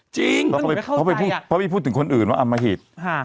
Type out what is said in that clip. จริงเพราะไม่พูดถึงคนอื่นว่าอมหิต